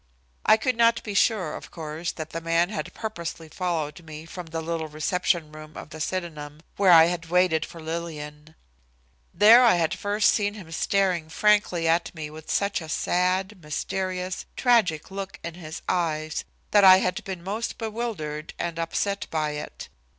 I could not be sure, of course, that the man had purposely followed me from the little reception room of the Sydenham, where I had waited for Lillian. There I had first seen him staring frankly at me with such a sad, mysterious, tragic look in his eyes that I had been most bewildered and upset by it.